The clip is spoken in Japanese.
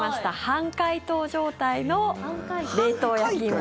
半解凍状態の冷凍焼き芋。